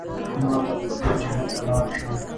ما ته غوښتل چې هلته لاړ شم.